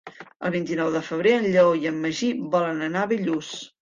El vint-i-nou de febrer en Lleó i en Magí volen anar a Bellús.